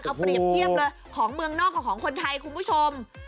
เอาเปรียบเทียบเลยของเมืองนอกกับของคนไทยคุณผู้ชม